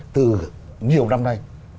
từ nhiều năm nay